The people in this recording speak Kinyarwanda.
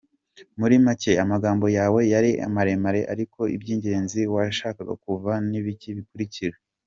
Muri make, amagambo yawe yari maremare ariko iby’ingenzi washakaga kuvuga n’ibi bikurikira: